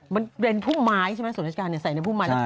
มันเป็นพุ่มไม้ใช่ไหมส่วนราชการใส่ในพุ่มไม้แล้ว